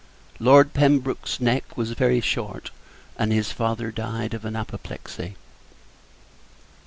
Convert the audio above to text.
Lord Pembroke's neck was very short, and his father died of an apoplexy.